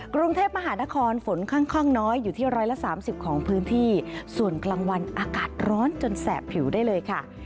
กรุงเทพมหานครฝนค่อนข้างน้อยอยู่ที่ร้อยละสามสิบของพื้นที่ส่วนกลางวันอากาศร้อนจนแสบผิวได้เลยค่ะ